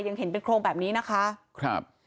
ยังเห็นเป็นโครงแบบนี้นะคะครับ